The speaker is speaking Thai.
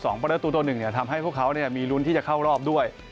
สองประเด็นตัวตัวหนึ่งทำให้พวกเขามีรุนที่จะเข้ารอบด้วย